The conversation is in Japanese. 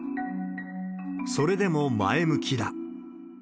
それでも前向きだ。